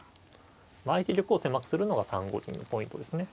相手玉を狭くするのが３五銀のポイントですね。